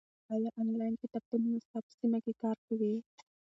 ایا آنلاین کتابتونونه ستا په سیمه کې کار کوي؟